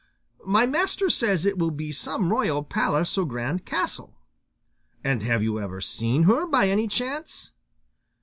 My master says it will be some royal palace or grand castle. And have you ever seen her by any chance?